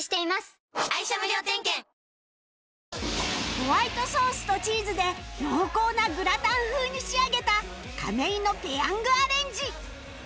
ホワイトソースとチーズで濃厚なグラタン風に仕上げた亀井のペヤングアレンジ